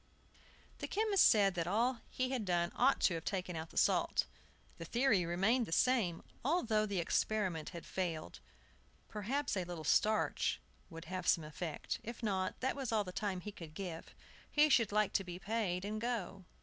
The chemist said that all he had done ought to have taken out the salt. The theory remained the same, although the experiment had failed. Perhaps a little starch would have some effect. If not, that was all the time he could give. He should like to be paid, and go.